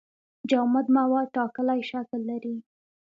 جامد مواد ټاکلی شکل لري.